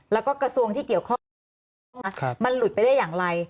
แล้วก็กระทรวงที่เกี่ยวข้องมันหลุดไปได้อย่างไร